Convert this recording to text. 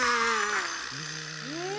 え？